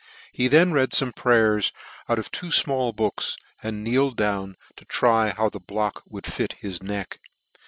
He then read fome prayers out of two fmall books, and kneeled down to try how the block would fit his neck.